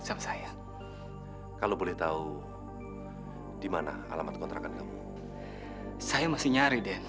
sampai jumpa di video selanjutnya